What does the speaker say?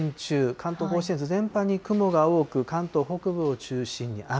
関東甲信越全般で雲が多く、関東北部を中心に雨。